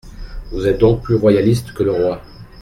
Vous êtes donc plus royaliste que le roi.